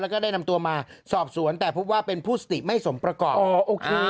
แล้วก็ได้นำตัวมาสอบสวนแต่พบว่าเป็นผู้สติไม่สมประกอบอ๋อโอเค